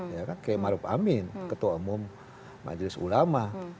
ya kan kayak maruf amin ketua umum majelis ulama